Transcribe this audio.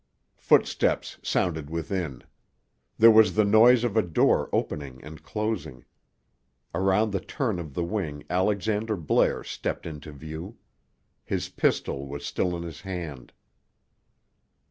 Footsteps sounded within. There was the noise of a door opening and closing. Around the turn of the wing Alexander Blair stepped into view. His pistol was still in his hand.